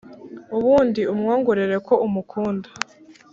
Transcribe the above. ubundi umwongorere ko umukunda.